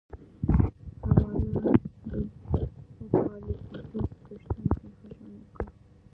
کوالان د اوکالیپتوس په شتون کې ښه ژوند وکړ.